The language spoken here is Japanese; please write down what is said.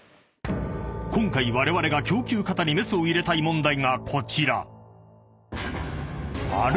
［今回われわれが供給過多にメスを入れたい問題がこちら］